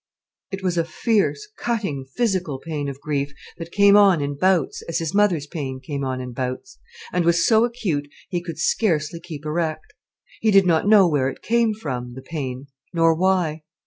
It was a fierce, cutting, physical pain of grief, that came on in bouts, as his mother's pain came on in bouts, and was so acute he could scarcely keep erect. He did not know where it came from, the pain, nor why.